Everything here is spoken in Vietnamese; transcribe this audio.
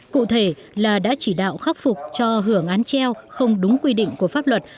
cụ thể là đã chỉ đạo khắc phục cho hưởng án treo không đúng quy định của pháp luật